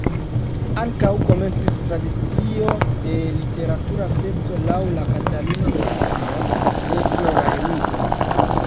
Ankaŭ komencis tradicio de Literatura Festo laŭ la kataluna kutimo de Floraj Ludoj.